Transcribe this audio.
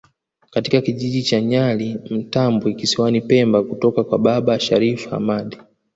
katika kijiji cha Nyali Mtambwe kisiwani pemba kutoka kwa baba Sharif Hamad